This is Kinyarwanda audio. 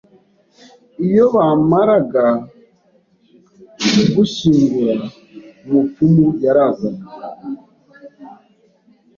Iyo bamaraga kugushyingura, umupfumu yarazaga